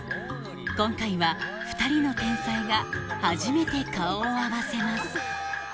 今回は２人の天才が初めて顔を合わせます